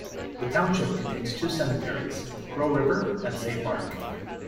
The township contains two cemeteries: Crow River and Saint Mark.